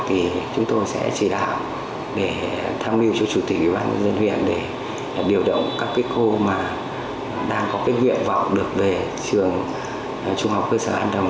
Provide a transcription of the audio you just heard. thì chúng tôi sẽ chỉ đạo để tham mưu cho chủ tịch ủy ban nhân dân huyện để điều động các cô mà đang có cái nguyện vọng được về trường trung học cơ sở an đồng